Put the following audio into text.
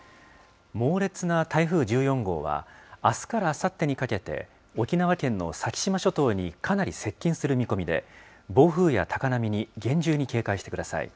猛烈な台風１４号は、あすからあさってにかけて沖縄県の先島諸島にかなり接近する見込みで、暴風や高波に厳重に警戒してください。